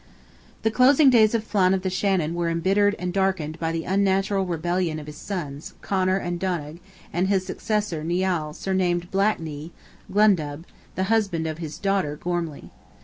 The closing days of Flan of the Shannon were embittered and darkened by the unnatural rebellion of his sons, Connor and Donogh, and his successor, Nial, surnamed Black Knee (Glundubh), the husband of his daughter, Gormley.